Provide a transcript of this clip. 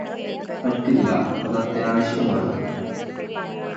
പറ്റില്ല അതത്യാവശ്യമാണ്